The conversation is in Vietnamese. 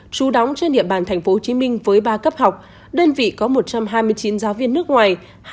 trú đóng trên địa bàn tp hcm với ba cấp học đơn vị có một trăm hai mươi chín giáo viên nước ngoài